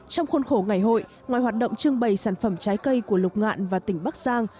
trong khuôn khổ ngày hội ngoài hoạt động trưng bày sản phẩm trái cây của lục ngạn và tỉnh bắc giang